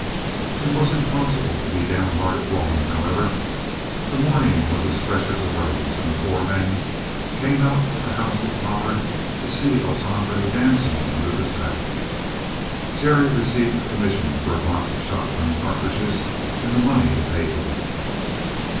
It was impossible to be downhearted long, however. The morning was as fresh as a rose, and the four men came out of the house with Pollard to see El Sangre dancing under the saddle. Terry received the commission for a box of shotgun cartridges and the money to pay for them.